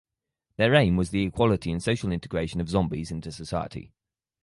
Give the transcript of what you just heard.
Their aim was the equality and social integration of zombies into society.